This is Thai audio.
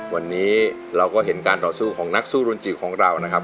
วันนี้เราก็เห็นการต่อสู้ของนักสู้รุนจิ๋วของเรานะครับ